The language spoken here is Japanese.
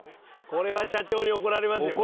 これは社長に怒られますよね。